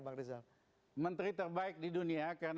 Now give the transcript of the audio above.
mbak rizal menteri terbaik di dunia karena